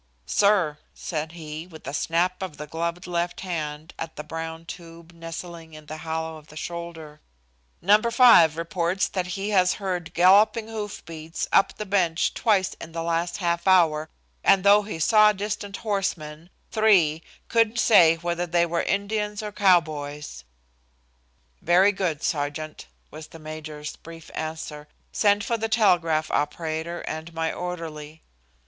"Sir," said he, with a snap of the gloved left hand at the brown tube nestling in the hollow of the shoulder, "Number Five reports that he has heard galloping hoofbeats up the bench twice in the last half hour, and thought he saw distant horsemen, three; couldn't say whether they were Indians or cowboys." "Very good, sergeant," was the major's brief answer. "Send for the telegraph operator and my orderly."